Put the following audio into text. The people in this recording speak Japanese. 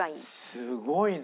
すごいな。